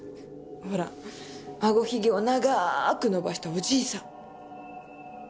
ほらあごヒゲを長ーく伸ばしたおじいさん。